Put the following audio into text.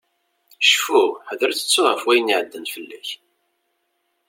Cfu, ḥader ad tettuḍ ɣef wayen iɛeddan fell-ak.